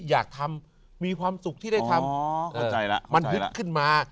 อยากทำมีความสุขที่ได้ทำอ๋อเข้าใจละเข้าใจละมันหึดขึ้นมา